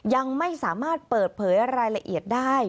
ยังไม่สามารถเปิดเผยรายละเอียดได้